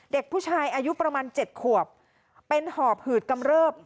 เด็กผู้ชายอายุประมาณ๗ขวบเป็นหอบหืดกำเริบ